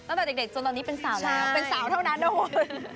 ตั้งแต่เด็กจนตอนนี้เป็นสาวแล้วเป็นสาวเท่านั้นนะคุณ